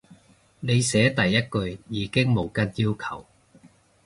你寫第一句已經冇跟要求